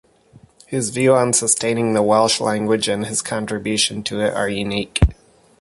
His view on sustaining the Welsh language and his contribution to it are unique.